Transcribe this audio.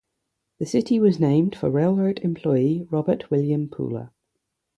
The city was named for railroad employee Robert William Pooler.